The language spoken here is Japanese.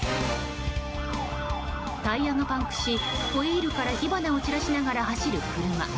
タイヤがパンクしホイールから火花を散らしながら走る車。